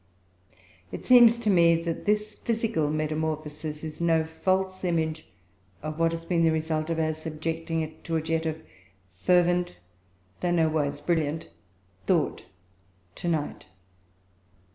It seems to me that this physical metamorphosis is no false image of what has been the result of our subjecting it to a jet of fervent, though nowise brilliant, thought to night.